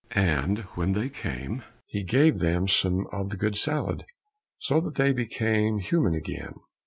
And when they came, he gave them some of the good salad, so that they became human again.